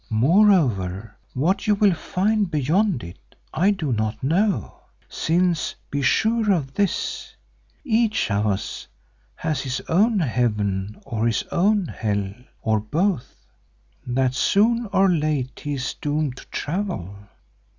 Moreover, what you will find beyond it I do not know, since be sure of this, each of us has his own heaven or his own hell, or both, that soon or late he is doomed to travel.